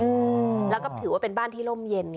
อืมแล้วก็ถือว่าเป็นบ้านที่ร่มเย็นไง